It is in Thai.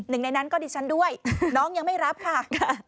หนึ่งในนั้นก็ดิฉันด้วยน้องยังไม่รับค่ะ